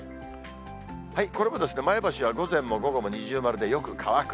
これも前橋は午前も午後も二重丸でよく乾く。